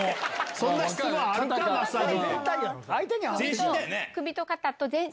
そんな質問あるか？